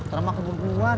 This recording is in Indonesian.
terima aku belum keluar